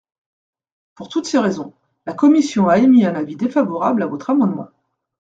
Pour toutes ces raisons, la commission a émis un avis défavorable à votre amendement.